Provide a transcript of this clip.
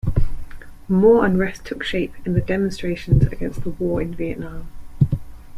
More unrest took shape in demonstrations against the war in Vietnam.